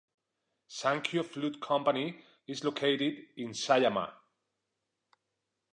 Sankyo Flute Company is located in Sayama.